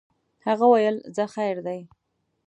هغه ویل ځه خیر دی.